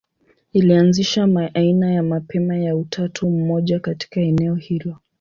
Ilianzisha aina ya mapema ya utatu mmoja katika eneo hilo.